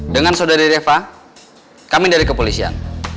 dengan saudari reva kami dari kepolisian